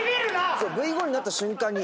「ぶい５」になった瞬間に。